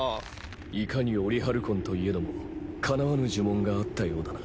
いかにオリハルコンといえどもかなわぬ呪文があったようだな。